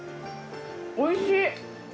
おいしい！